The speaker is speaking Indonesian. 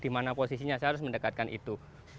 di mana posisinya saya harus mendekatkan itu